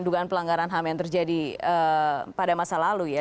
dugaan pelanggaran ham yang terjadi pada masa lalu ya